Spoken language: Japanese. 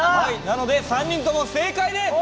なので３人とも正解です！